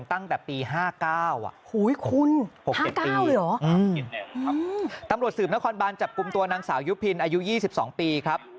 ตั้งแต่ปี๕๙คุณ๖๗ปีตำรวจสืบนครบานจับกลุ่มตัวนางสาวยุพินอายุ๒๒ปีครับ